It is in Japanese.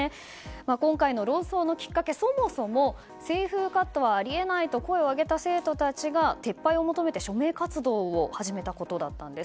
今回の論争のきっかけはそもそも清風カットはあり得ないと声を上げた生徒たちが撤廃を求めて、署名活動を始めたことだったんです。